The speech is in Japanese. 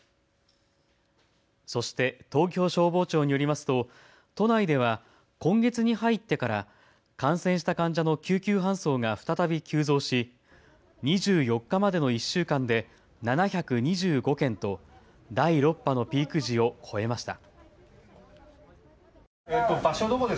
そして東京消防庁によりますと都内では今月に入ってから感染した患者の救急搬送が再び急増し２４日までの１週間で７２５件と第６波のピーク時を超えました。